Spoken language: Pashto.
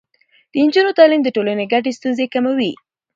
د نجونو تعليم د ټولنې ګډې ستونزې کموي.